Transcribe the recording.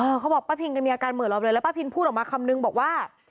เขาบอกป้าพินก็มีอาการเหมือนเราเลยแล้วป้าพินพูดออกมาคำนึงบอกว่า